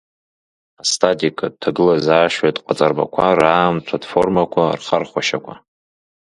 Астатикатә ҭагылазаашьатә ҟаҵарбақәа раамҭатә формақәа рхархәашьақәа…